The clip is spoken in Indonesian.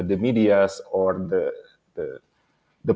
atau media yang berkaitan dengan